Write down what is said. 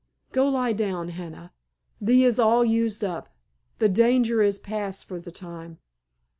"Go lie down, Hannah, thee is all used up. The danger is past for the time.